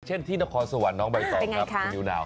ที่นครสวรรค์น้องใบตองครับคุณนิวนาว